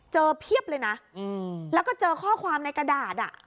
เพียบเลยนะแล้วก็เจอข้อความในกระดาษอ่ะ